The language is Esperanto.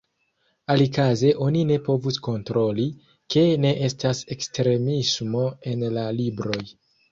Alikaze oni ne povus kontroli, ke ne estas ekstremismo en la libroj.